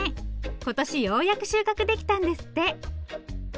今年ようやく収穫できたんですって。